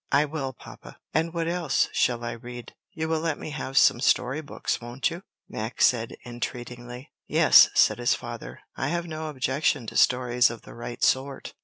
"I will, papa. And what else shall I read? You will let me have some story books, won't you?" Max said, entreatingly. "Yes," said his father, "I have no objection to stories of the right sort.